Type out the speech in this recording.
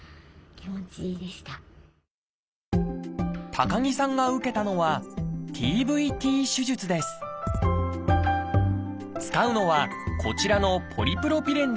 高木さんが受けたのは使うのはこちらのポリプロピレンで出来たテープ。